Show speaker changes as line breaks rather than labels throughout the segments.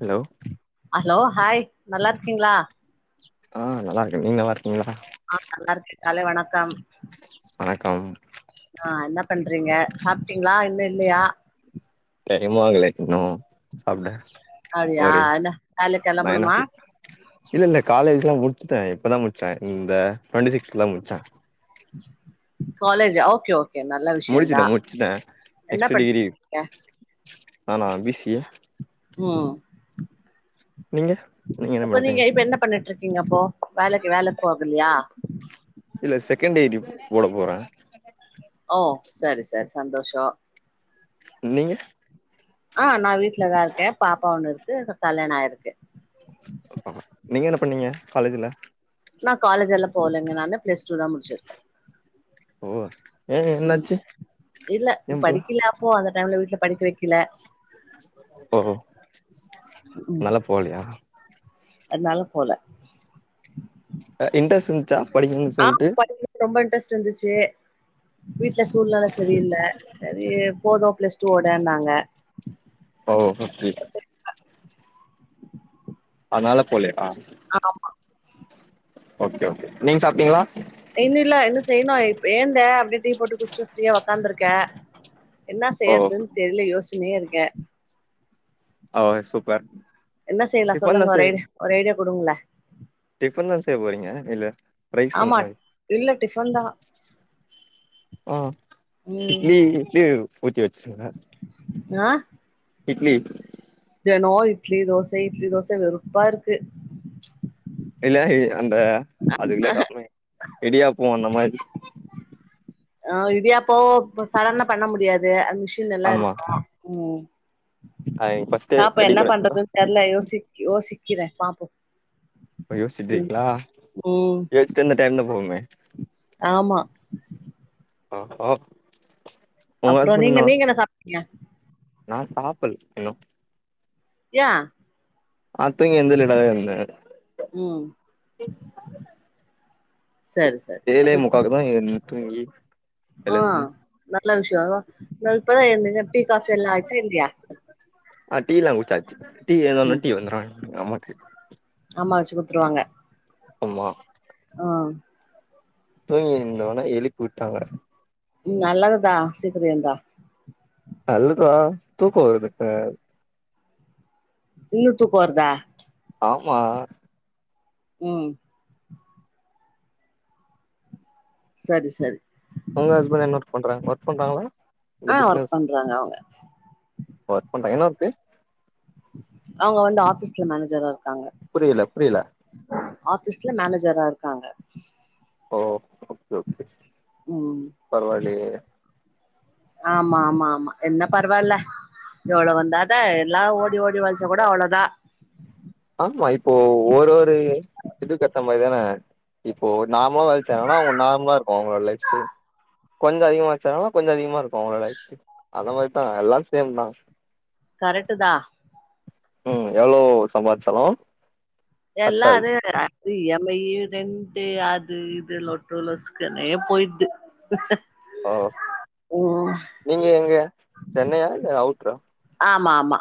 hello
hello hi நல்லாருக்கீங்களா
ஆ நல்லாருக்கே நீங்க நல்லாருக்கீங்ளா
ஆ நல்லாருக்கே காலை வணக்கம்
வணக்கம்
ஆ என்ன பண்றீங்க சாப்ட்டீங்ளா இன்னு இல்லயா
[unintelligible] இன்னு சாப்டே
அப்டியா என்னா வேலைக் கெளம்பனுமா
கிளாக் இல்ல இல்ல காலேஜ்லா முடுச்சுட்டே இப்பதா முடுச்சே இந்த டுவண்ட்டி சிக்ஸ்ல முடுச்சே
காலேஜா ஓகே ஓ
முடுச்சுட்டே முடுச்சுட்டே
என்ன
நெக்ஸ்ட் டிகிரி
படிச்சிருக்கீங்க
நானா பீ சி ஏ
ம்
நீங்க என்ன
அப்ப நீங்க
பண்றீங்க
இப்ப என்ன பண்ணிட்ருக்கீங்க அப்போ வேலக்கி வேலக் போகலியா
இல்ல செகேண்ட் ஐ டி போட போறே
ஓ சரி சரி சந்தோஷோ
நீங்க
ஆ நா வீட்லதா இருக்கே பாப்பா ஒண்ணு இருக்கு இப்ப கல்யாணோ ஆகிருக்கு
நீங்க என்ன பண்ணீங்க காலேஜுல
நா காலேஜல்லா போலங்க நாதா பிளஸ் டூ தா முடுச்சுருக்கே
ஓ ஏ
ம்
என்னாச்சு
இல்ல
ஏ புள்ள
படிக்கல அப்போ அந்த டைம்ல வீட்ல படிக்க வைக்கல
ஓ அதுனால போலயா
அதுனால போல
அ இன்ரஸ்ட் இருந்துச்சா படிக்கனுன்
ஆ
சொல்ட்டு
படிக்கணுனு ரொம்ப இன்ட்ரஸ்ட் இருந்துச்சு வீட்ல சூழ்நில சரியில்ல சரி போது பிளஸ் டூ வோடன்னாங்க
ஓ [unintelligible] அதுனால போலயா
ஆமா
ஓகே ஓகே நீங்க சாப்ட்டீங்ளா
இன்னு இல்ல இன்னு செய்ணு இப்ப எழுந்தே அப்டியே டீ போட்டு குஸ்ட்டு ஃப்ரீயா உக்காந்துருக்கே என்னா
ஓ
செய்யறதுன் தெரில யோசனையே இருக்கே
ஓ சூப்பர்
என்ன செய்லா
டிஃபன்லா
சொல்லுங்க ஒரு ஐடி ஒரு ஐடியா குடுங்ளே
டிஃபன் தான செய்ய போறீங்க இல்ல ரைஸ் அந்த
ஆமா
மாரி
இல்ல டிஃபன் தா
ஆ
ம்
இட்லி இட்லி ஊத்தி வச்சுருங்க
ஆ
இட்லி
தெனோ இட்லி தோசை இட்லி தோச வெறுப்பா இருக்கு
இல்ல அந்த அது லேட்டாகுமே இடியாப்போ அந்த மாரி
ஆ இடியாப்போ சடன பண்ண முடியாது அந்த ஷ் இல்
ஆமா
நல்லாருக்கு ம்
அது ஃபர்ஸ்ட்டே
பாப்ப
ரெடி
என்ன
பண்ணட்டுங்களா
பண்றதுன்னு தெர்ல யோசி யோசிக்கிறே பாப்போ
இப்ப
ம்
யோசிச்சுட்டீங்களா
ம்
யோசிச்சுட்டு இந்த டைம் தா போகுமே
ஆமா
ஆ ஆ
அப்பறோ நீங்க நீங்க என்ன சாப்ட்டீங்க
நா சாப்பில் இன்னு
யா
நா தூங்கி எழுதுனதா இருந்தே
ம் சரி ச
ஏழே முக்காக்குதா ஏ தூங்கி
ஆ
எழுந்தே
நல்ல விஷய நா இப்பதா எழுந்தங்க டீ காபி எல்லா ஆயிடுச்சா இல்லையா
ஆ டீலா குடிச்சாச்சு டீ எல்லா
ம்
டீ வந்துரு நமக்கு
அம்மா வச்சு குடுத்துருவாங்க
ஆமா
ஆ
தூங்கி இருந்தவன எழுப்பி விட்டாங்க
ம் நல்லதுதா சீக்கிர எழுந்தா
நல்லதா தூக்க வருதுங்க
இன்னு தூக்கொ வருதா
ஆமா
ம் சரி சரி
உங்க ஹஸ்பன்ட் என்ன ஒர்க் பண்றாங்க ஒர்க் பண்றாங்களா இல்ல
ஆ ஒர்க்
பிசினஸ்
பண்றாங்க அவங்க
ஒர்க் பண்ணுறாங்க என்ன ஒர்க்கு
அவங்க வந்து ஆபீஸ்ல மேனேஜரா இருக்காங்க
புரியல புரியல
ஆபீஸ்ல மேனேஜரா இருக்காங்க
ஓ ஓகே ஓகே
ம்
பரவால்லயே
ஆமா ஆமா ஆமா என்ன பரவால்ல எவ்ளோ வந்தா அதா எல்லா ஓடி ஓடி ஒழைச்சா கூட அவ்ளோதா
ஆமா இப்போ ஒரு ஒரு இதுக்கேத்த மாரிதான இப்போ நார்மலா வேல செய்ராங்கன்னா அவங்க நார்மலா இருக்கு அவங்களோட லைஃப் ஸ்டைல் கொஞ்சம் அதிகமா ஒழைச்சாங்கனா கொஞ்ச அதிகமா இருக்கு அவங்களோட லைஃப் அந்த மாரிதா எல்லா சேம் தா
கரெக்டு தா
ம் எவ்ளோ சம்பாதிச்சாலு
எல்லா
பத்தாது
அது இ எம் ஐயி ரெண்டு அது இது லொட்டு லொசுக்குனே போய்டுது
ஓ நீங்க எங்க சென்னையா இல்ல அவுட்ரா
ஆமா ஆமா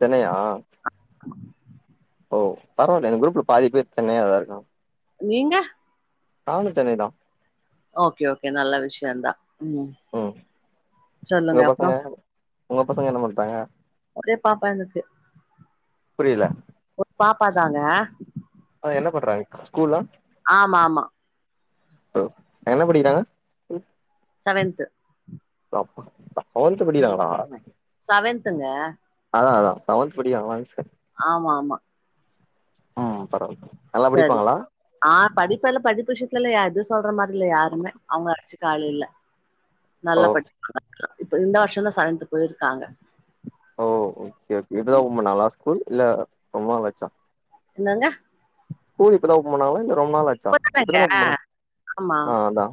சென்னையா ஓ பரவால்ல இந்த குரூப்ல பாதி பேர் சென்னையா தா இருக்காங்க
நீங்க
நானு சென்னைதா
ஓகே ஓகே நல்ல விஷயந்தா ம்
ஒ உங்க
சொல்லுங்க அப்றோ
பசங்க உங்க பசங்க என்ன பண்றாங்க
ஒரே பாப்பா எனக்கு
புரியல
ஒரு பாப்பா தாங்க
ஆ என்ன பண்றாங்க ஸ்கூலா
ஆமா ஆமா
ஓ என்ன படிக்கிறாங்க
செவன்த்
அப்பா டுவல்த் படிக்கிறாங்களா
செவன்த்துங்க
அதா அதா செவன்த் படிக்கிறாங்களானு கேட்டே
ஆமா ஆமா
ம் பரவால்ல நல்லா
சரி ச
படிப்பாங்களா
ஆ படிப்பெல்லா படிப்பு விஷயத்துலெல்லா எது சொல்ற மாதிரி இல்ல யாருமே அவுங்க அடிச்சுக்க ஆள் இல்ல
ஓ
நல்லா படிப்பாங்க இந்த வருஷந்தா செவன்த்து போயிருக்காங்க
ஓ ஓகே ஓகே இப்பதா ஒம்பன் பண்ணாங்களா ஸ்கூல் இல்ல ரொம்ப நாளாச்சா
என்னங்க
ஸ்கூல் இப்பதா ஒப்பன் பண்ணாங்களா இல்ல ரொம்ப நாளாச்சா
இப்பதானங்க
இப்பதான ஒப்பன் பண்ணாங்க
ஆமா
ஆ அதா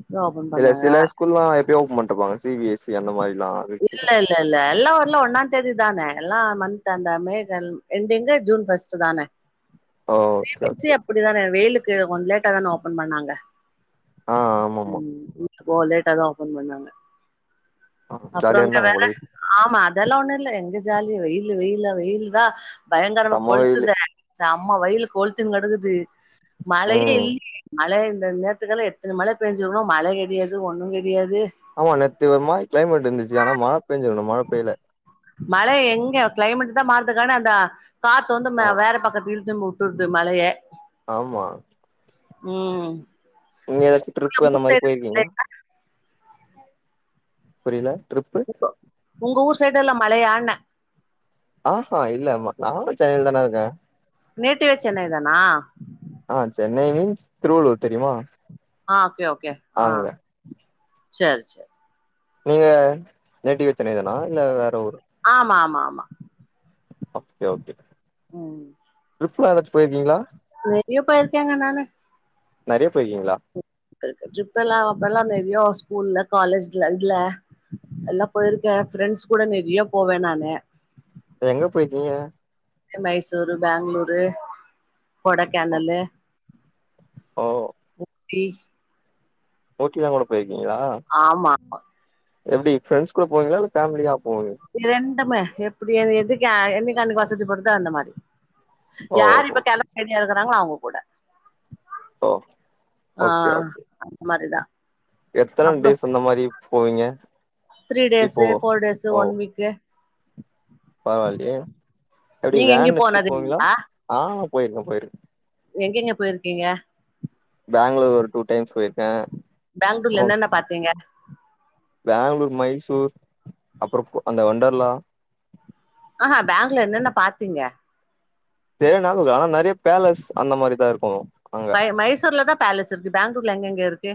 இப்பதா ஓபன்
இல்ல
பண்ணாங்க
சில ஸ்கூல்லா எப்பயோ ஓப்பன் பண்டுருப்பாங்க சி பி எஸ் சி அந்த மாரிலா
இல்ல இல் இல்ல இல்ல எல்லா ஊர்லு ஒன்னா தேதி தான எல்லா மந்த் அந்த மே கன் எண்டிங்கு ஜூன் ஃபஸ்ட்டு தான
ஓ ஓகே ஓகே
அப்புடிதான வெயிலுக்கு கொஞ்ச லேட்டா தான ஓப்பன் பண்ணாங்க
ஆ ஆமாம்மா
ம் ஓ லேட்டாதா ஓப்பன் பண்ணாங்க
ஆ
அப்றோ
ஜாலியா
அங்க
இருந்தாங்க
வேற
போல
ஆமா அதெல்லா ஒண்ணு இல்ல எங்க ஜாலி வெயிலு வெயிலு அது வெயில்தா பயங்கரமா
செம வெயிலு
கொளுத்துதே செம்மா வெயில் கொளுத்தினு கெடக்குது மழையே
ம்
இல்லியே மழை இந்த நேத்து தான எடுத் இத்துன மழ பேஞ்சிருக்கனு மழ கெடையாது ஒண்ணு கெடையாது
ஆமா நேத்து ஒரு மாரி க்ளைமேட் இருந்துச்சு ஆனா மழ பேஞ்சிருக்கணு மழ பேயல
மழ எங்க க்ளைமேட் தா மாறுதுக்கான அந்த காத்து வந்து மே
ஆ
வேற பக்கத்து இழு த்து வுட்டுருது மழைய
ஆமா
ம்
நீங்க எதாச்சு ட்ரிப்பு
உங்க
அந்த மாறி
ஊர்
போயிருக்கீங்களா
சைடு
புரியல ட்ரிப்பு
உங்க ஊர் சைடு எல்லா மழையான்னே
ஆ ஹா இல்ல ம நானு சென்னைல தான இருக்கே
நேட்டிவே சென்னைதானா
ஆ சென்னை மீன்ஸ் திருவள்ளூர் தெரிமா
ஆ ஓகே ஓகே ஆ சேர் சேர்
நீங்க நேட்டிவே சென்னை தானா இல்ல வேற ஊரு
ஆமாமாமா
ஓகே ஓகே
ம்
டிரிப்லா எதாச்சு போய்ருக்கீங்ளா
நெறியா போய்ருக்கேங்க நானு
நறயா போய்ருக்கீங்களா
ட்ரிப்பெல்லா அப்பல்லா நெறியா ஸ்கூல்ல காலேஜ்ல இதுல எல்லா போயிருக்கே எ ஃப்ரெண்ட்ஸ் கூட நெறியா போவே நானு
எங்க போயிக்கீங்க
மைசூரு பெங்ளூரு கொடைக்கானலு
ஓ
ஊட்டி
ஊட்டிலா கூட போய்ருக்கீங்களா
ஆமாமா
எப்டி ஃப்ரெண்ட்ஸ் கூட போவீங்ளா இல்ல ஃபேமிலியா போவீங்க
இ ரெண்டுமே எப்டி அது எதுக்கு என்னக்கி அன்னக்கி வசதி படுதோ அந்த மாரி
ஓ
யார் இப்ப கெளம்பி ரெடியா இருக்குறாங்ளோ அவுங்க கூட
ஓ
ஆ
ஓகே ஓகே
அந்த மாரிதா
எத்தன
அப்றோ
டேஸ் அந்த மாரி போவிங்க
three days four days one week
பரவால்லயே எப்டி
நீங்க எங்கயு
வேன் எட்த்து போவீங்ளா
போனதுங்களா
ஆ போய்ருக்கே போய்ருக்கே
எங்கெங்க போய்ருக்கீங்க
பெங்களூர் ஒரு டூ டைம்ஸ் போய்ருக்கே
பெங்களூர்ல என்னென்ன பாத்தீங்க
பெங்களூர் மைசூர் அப்றோ அந்த ஒன்டர்லா
ஆ ஹா பேங்ல என்னென்ன பாத்தீங்க
தேட்னாலு ஆனா நறைய பேலஸ் அந்த மாரிதா இருக்கு அங்க
மை மைசூர்ல தா பேலஸ் இருக்கு பெங்களூர்ல எங்கங்க இருக்கு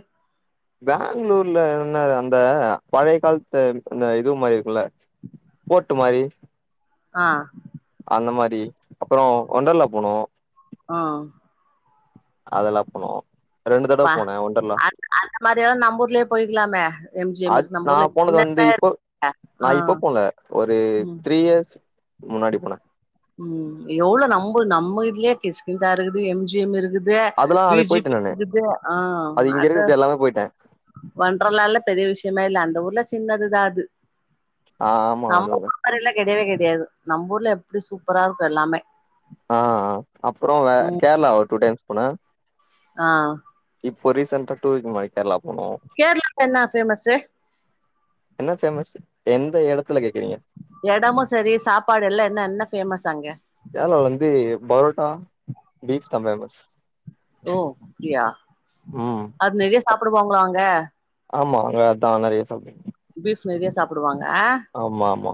பெங்களூர்ல என்ன அந்த பழைய காலத்து அந்த இது மாரி இருக்குல்ல போட்டு மாரி
ஆ
அந்த மாரி அப்பறோ ஒன்டர்ல்லா போனோ
ஆ
அதெல்லா போனோ ரெண்டு தடவ
ப்பா
போனே ஒண்டர்லா
அ அந்த மாரியல்லா நம்ப ஊர்லயே போய்க்கலாமே எம் ஜி எம்
அது
இருக்கு நம்ப
நா
ஊர்ல
போனது வந்து
என்னென்ன
இப்ப
ஆ
நா இப்ப போல ஒரு
ம்
த்ரீ இயர்ஸ் முன்னாடி போனே
ம் எவ்ளோ நம்போநம்ம இதுலயே கிஸ்கிந்தார்ருக்குது எம் ஜி எம் இருக்கு தே
அதெல்லா அப்டி
விஜிபி
போயிட்டே
இருக்குது ஆ அத
தப்பா போயிட்டே
ஒன்ட்றலால்லா பெரிய விஷ்யமே இல்ல அந்த ஊர்ல சின்னதுதா அது
ஆமா
நம்ம
அதுவு
ஊர்
கரெட்டுதா
மாரில்லா கெடையவே கெடையாது நம்பூர்ல எப்டி சூப்பரா இருக்கு எல்லாமே
ஆ ஆ அப்புறோ வ
ம்
கேரளா ஒரு டூ டைம்ஸ் போன
ஆ
இப்ப ரீசெண்டா டூ வீக் முன்னாடி கேரளா போன
கேரளாக்கு என்ன ஃபேமஸ்சு
என்ன ஃபேமஸ் எந்த எடத்துல கேக்குறீங்க
எடமு செரி சாப்பாடு எல்லா என்ன என்ன ஃபேமஸ் அங்க
கேரளால வந்து பரோட்டா பீப் தா ஃபேமஸ்
ஓ அப்டியா
ம்
அது நெறைய
அப்
சாப்பிடுவாங்களோ அங்க
ஆமா அங்க அத்தா நெறைய சாப்டு
பீஃப் நறியா சாப்புடுவாங்க
ஆமா ஆமா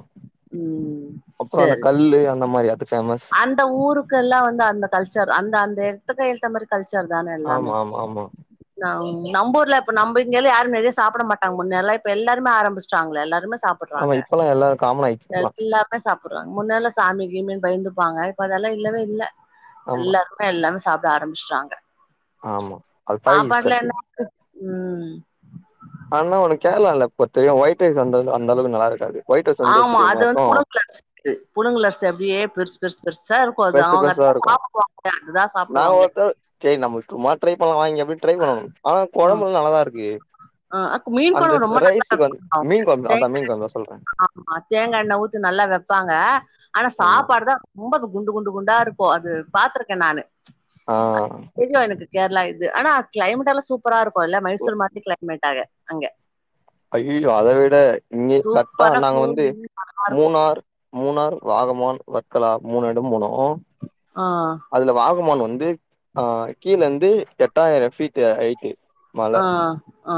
ம்
அப்புறோ அந்த
சேரி சேரி
கல்லு அந்த மாறி அது ஃபேமஸ்
அந்த ஊருக்கெல்லா வந்து அந்த கல்ச்சர் அந்த அந்த எட துக்கு ஏத்த மாறி கல்ச்சர் தானே எல்லாமே
ஆமா ஆமா ஆமா
நம் நம்பூர்ல இப்ப நம்ம இங்கயெல்லா யாரு நெறைய சாப்பிட மாட்டங்க முன்னயெல்லா இப்ப எல்லாருமே ஆரம்பிச்சுட்டாங்கல எல்லாருமே சாப்
ஆமா
ப்பிறாங்க
இப்பெல்லா எல்லாரு காமன் ஆயிடுச்சு இதெல்லா
எல்லா சாப்புட்றாங்க முன்னெல்லா சாமி கிமின்னு பயந்துப்பாங்க இப்ப அதெல்லா இல்லவே இல்ல
ஆமா
எல்லாரு இப்ப எல்லாமே சாப்ட ஆரம்பிச்சிட்டாங்க
ஆமா அது பழகிடுச்சு
சாப்பாடுல
அப்டி
என்ன இருக்கு ம்
ஆனா உனக்கு கேரளால பொறுத்த வரையு ஒயிட் ரைஸ் அந்தள அந்தளவுக்கு நல்லா இருக்காது ஒயிட் ரைஸ் வந்து எப்டி
ஆமா
தெரியுமா
அது வந்து
இருக்கு
புழுங்குலரிசி புழுங்குலரிசி அப்டியே பெருசு பெருசு பெருசா இருக் க்கு அது
பெருசு
அவங்க
பெருசா
அத்தான்
இருக்கு
சாப்டுவாங்களே அதுதா சாப்டுவாங்களே
சேரி நம்ம சும்மா ட்ரை பண்ணலா இங்க போய் ட்ரை பண்ணணு ஆனா கொழம்பு
ம்
எல்லா நல்லாதா இருக்கு
அ அக்கு மீன்
அந்த
கொழம்பு ரொம்ப நல்லா
ரைஸுக்கு வந் மீன் கொழம்பு அதா மீன் கொழம்புதா
ஆமா தேங்கா எண்ணெ ஊத்தி நல்லா வெப்பாங்க ஆனா
ஆமா
சாப்பாடு தா ரொம்ப குண்டு குண்டு குண்டா இருக்கு அது பாத்திருக்க நானு
ஆ
தெரியு எனக்கு கேரளா இது ஆனா க்ளைமேட் எல்லா சூப்பரா இருக்கு இல்ல மைசூர் மாரி க்ளைமேட் ஆக அங்க
ஐய்யய்யோ அத விட இங்கே கரெக்ட்டா
சூப்பரா
நாங்க வந்து
கூலிங்கா இருக்கு
மூணார் மூணார் வாகமான் வர்க்கலா மூணு எடோ போனோ
ஆ
அதுல வாகமான் வந்து அ கீழ இருந்து எட்டாயிரம் ஃபீட்டு ஹைட்டு மல
ஆ ஆ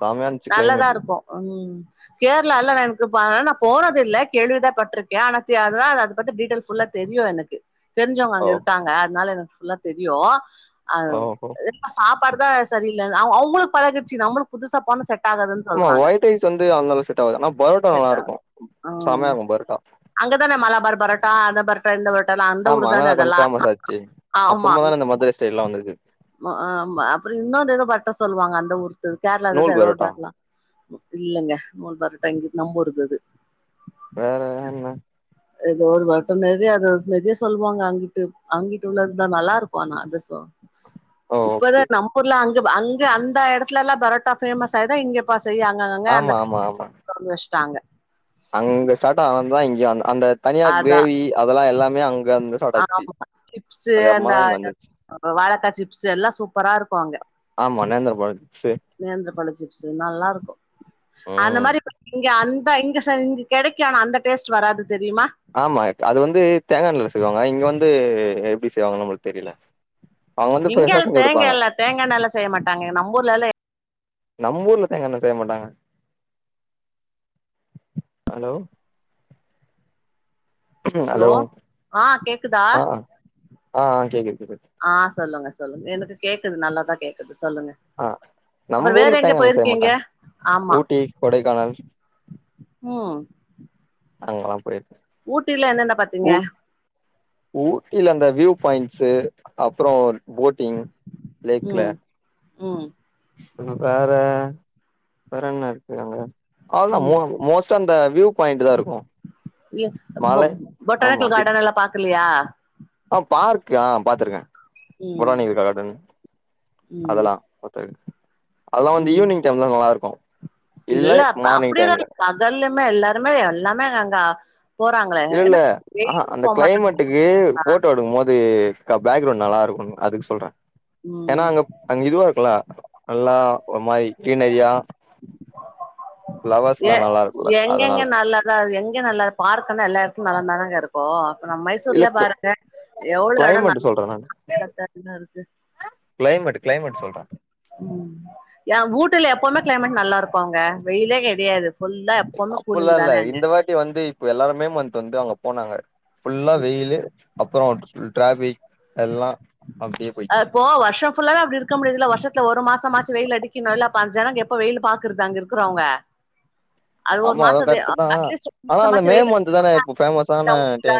செமையா இருந்துச்சு
நல்லதா
கிளைமேட்
இருக்கு ம் கேரளால எனக்கு பா ஆனா நா போனதில்ல கேள்விதா பட்ருக்கே ஆனா தி அதுதா அதுபத்தி டீடெய்ல் ஃபுல்லா தெரியு எனக்கு தெரிஞ்சவங்க
ஓ
அங்க இருக்காங்க அதனால எனக்கு ஃபுல்லா தெரியு அது
ஓஹோ
இப்ப சாப்பாடுதா சரியில்லனு அவ அவங்களுக்கு பழகிடுச்சி நம்மளுக்கு புதுசா போனா செட் ஆகாது
ஆமா ஒயிட் ரைஸ் வந்து அங்கலா செட் ஆவாது ஆனா பரோட்டா நல்லா
செட்
இருக்கு செமையா இருக்கு பரோட்டா
அங்கதான மலபார் பரோட்டா அந்த பரோட் டா அந்த பரோட்டான்னு அந்த
ஆமா
ஊரு தான
அங்கதா கொஞ்சோ
அதெல்லா ஆமா
செய்லா வந்திருக்கு
மா ஆ அப்புறோ இன்னொரு ஏதோ பரோட்டா சொல்லுவாங்க அந்த ஊர்த்து
நூல்
கேரளாதுதா ஏதோ ஒரு
பரோட்டா
பேர்லா இல்லங்க நூல் பரோட்டா இங்க நம்மூர்து இது
வேற என்ன
ஏதோ ஒரு பரோட்டா நெறைய அத நெறைய சொல்லுவாங்க அங்கிட்டு அங்கிட்டு உள்ளதுதா நல்லா இருக்கு ஆனா அது சோ
ஓ
இப்பதா
ஓகே
நம்மூர்ல அங்க அங்க அந்த எடத்துலல்லா பரோட்டா ஃபேமஸ் ஆய்டு இங்க அப்பா செய்ய அங்க கங்க அந்த
ஆமா ஆமா ஆமா
தொறந்து வெச்ட்டாங்க
அங்க ஸ்டார்ட் ஆனதுதா இங்கியு அந் அந்த தனியா
அதா
கிரேவி அதெல்லா எல்லாமே அங்கந்துதா ஸ்டார்ட் ஆச்சி
சிப்ஸ்சு அந்த இந்த வாழக்கா சிப்ஸ்சு எல்லா சூப்பரா இருக்கோ அங்க
ஆமா நேர்தர பழோ சிப்ஸ்சு
நேந்தர பழோ சிப்ஸ்சு நல்லா இருக்கோ அந்த
ம்
மாறி இப்ப இங்க அந் தா இங்க சங் கெடைக்கோ ஆனா அந்த டேஸ்ட்டு வராது தெரியுமா
ஆமா அது வந்து தேங்கா எண்ணெய்ல செய்வாங்க இங்க வந்து எப்டி செய்வாங்கனு நம்முளுக்கு தெரில
இங்கெல்லா தேங்கா இல்ல தேங்கா எண்ணெய்ல செய்ய மாட்டாங்க நம்பூர்ல எல்லா
நம்பூர்ல தேங்கா எண்ண செய்ய மாட்டாங்க ஹலோ
ஹலோ ஆ கேக்குதா
ஆ ஆ கேக்குது கேக்குது
ஆ சொல்லுங்க சொல்லுங்க எனக்கு கேக்குது நல்லாதா கேக்குது சொல்லுங்க
ஆ நம்ம
அப்புறோ வேற
ஊர்ல
எங்க
தேங்கா எண்ணெய்ல செய்ய
போயிருக்கீங்க
மாட்டாங்க
ஆமா
ஊட்டி கொடைக்கானல்
உம்
அங்கலா போயிருக்கே
ஊட்டில என்னென்ன பாத்தீங்க
ஊட்டில அந்த வியூ பாயிண்ட்ஸ்சு அப்புறோ போட்டிங்
உம் உம்
ம் வேற வேற என்ன இருக்கு அங்க அவ்ளோதா மூ
ம்
மோஸ்ட்டா அந்த வியூ பாயிண்ட்டு தா இருக்கோ
இல பொ பொட்டானிக்கல்
கிட்
கார்டன் எல்லா பாக்கலையா
ஆ பார்க்கு அ பாத்துருக்கே
ம்
பொட்டானிக்கல் கார்டன்
ம்
அதலா பாத்த அதலா வந்து
ம்
ஈவினிங் டைம் தா நல்லா இருக்கோ
இல்ல அப் அப்படிலா அதலமே எல்லாருமே எல்லாமே அங்க போறாங்களே
இல்ல இல்ல
ஏன்னா
ஆஹா
வெயிலுக்கு
அந்த
போ மாட்டாங்க
கிளைமேட்டுக்கு ஃபோட்டோ எடுக்கும் போது க பாக்கிரவுண்ட் நல்லா இருக்கனு அதுக்கு சொல்றே ஏன்னா
ம்
அங்க அங்க இதுவா இருக்கோல நல்லா ஒரு மாரி கிரீனரியா ஃப்ளவர்ஸ்லா நல்லா இருக்கோல அதனால
ல எங்கயோ நல்லாருக்கோ பார்க்கன்னா எல்லா எடத்துலயு நல்லாந்தாங்க இருக் கு இப்போ அப்ப நம் மைசூர்ல
இல்ல
பாருங்க எவ்ளோ எடோ
கிளைமேட்
நல் [unintelligible] இருக்கு
கிளைமேட்டு கிளைமேட் சொல்ற
ம் ஏ ஊட்டில எப்பவுமே கிளைமேட் நல்லா இருக்குங்க வெயிலே கிடையாது ஃபுல்லா எப்பவுமே
அப்புல்லா
கூலிங்
இல்ல
தானே அங்க
இந்த வாட்டி ய வந்து இப்ப எல்லாருமே மே மந்த் வந்து அங்க போனாங்க ஃபுல்லா வெயிலு அப்புறோ ஃபுல் டிராஃபிக் எல்லா அப்டியே போயிச்சு
இப்போ வர்ஷோ ஃபுல்லாவே அப்டி இருக்க முடியாதுல வருஷத்துல ஒரு மாசமாச்சு வெயில் அடிக்கனோல அப்ப அந்த ஜனங்க எப்ப வெயில பாக்குறது அங்க இருக்குறவுங்க
ஆமா அதுவு கரக்டுதா
அட்லீஸ்ட் ஒரு
ஆனா அந்த
மாசமாச்சு
மே
வெயில்
மந்த் தானே இப்ப ஃபேமஸான டைம்